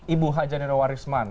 ibu h j warisman